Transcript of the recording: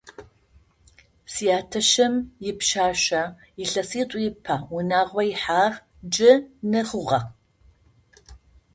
Сятэшым ипшъашъэ илъэситӏу ыпэ унагъо ихьагъ, джы ны хъугъэ.